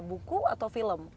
buku atau film